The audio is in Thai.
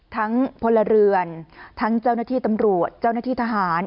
พลเรือนทั้งเจ้าหน้าที่ตำรวจเจ้าหน้าที่ทหาร